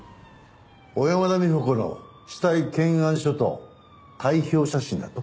小山田美穂子の死体検案書と体表写真だと？